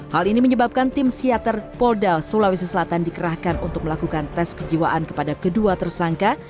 hal ini menyebabkan tim siater polda sulawesi selatan dikerahkan untuk melakukan tes kejiwaan kepada kedua tersangka